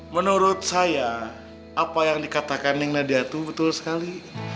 menurut saya apa yang dikatakan neng nadiatu betul sekali